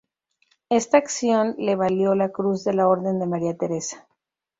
Esta acción le valió la Cruz de la Orden de María Teresa.